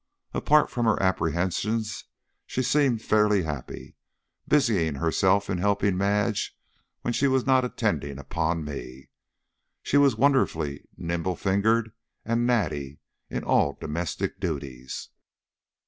Apart from her apprehensions she seemed fairly happy, busying herself in helping Madge when she was not attending upon me. She was wonderfully nimble fingered and natty in all domestic duties.